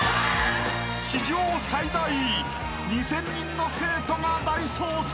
［史上最大２，０００人の生徒が大捜索］